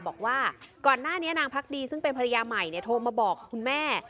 บอกว่าก่อนหน้านี้นางพักดีซึ่งเป็นภรรยาใหม่โทรมาบอกคุณแม่